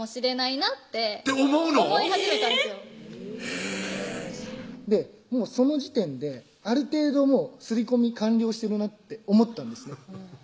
へぇその時点である程度もう刷り込み完了してるなって思ったんですね